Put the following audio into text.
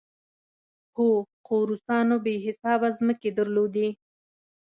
هو، خو روسانو بې حسابه ځمکې درلودې.